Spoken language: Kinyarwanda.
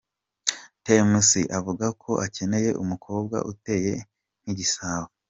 Tmc avuga ko akeneye umukobwa uteye nk’igisabo.